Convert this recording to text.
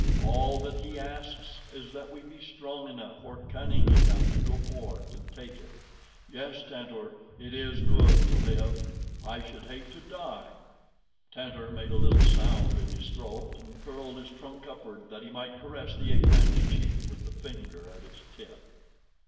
All that He asks is that we be strong enough or cunning enough to go forth and take it. Yes, Tantor, it is good to live. I should hate to die." Tantor made a little sound in his throat and curled his trunk upward that he might caress the ape man's cheek with the finger at its tip.